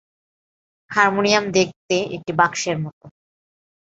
Harmonium দেখতে একটি বাক্সের মতো।